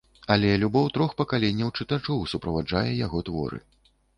Але любоў трох пакаленняў чытачоў суправаджае яго творы.